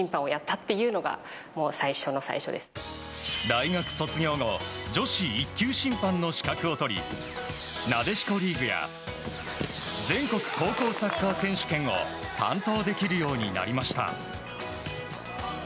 大学卒業後女子１級審判の資格をとりなでしこリーグや全国高校サッカー選手権を担当できるようになりました。